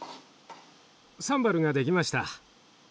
サンバルが出来ました。